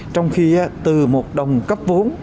trong khi từ một đồng cấp vốn